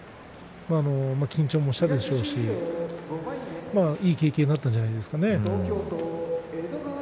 緊張もしたでしょうしまあいい経験になったんじゃないでしょうかね。